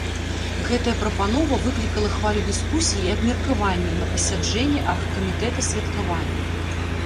Гэтая прапанова выклікала хвалю дыскусій і абмеркаванняў на пасяджэнні аргкамітэта святкавання.